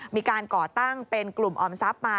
ก่อตั้งเป็นกลุ่มออมทรัพย์มา